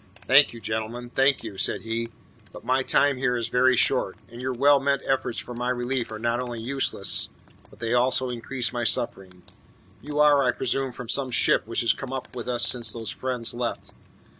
"Thank you, gentlemen, thank you," said he, "but my time here is very short, and your well meant efforts for my relief are not only useless, but they also increase my suffering. You are, I presume, from some ship which has come up with us since those fiends left.